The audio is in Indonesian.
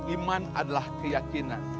iman adalah keyakinan